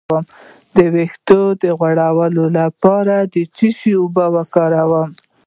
د ویښتو د غوړ لپاره د څه شي اوبه وکاروم؟